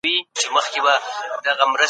که سياسي ګوندونه همږغي وي ټولنه پرمختګ کوي.